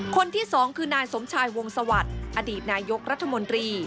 คนที่สองคือนายสมชายวงสวัสดิ์อดีตนายกรัฐมนตรี